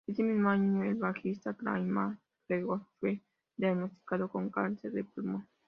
Ese mismo año el bajista Craig MacGregor fue diagnosticado con cáncer de pulmón.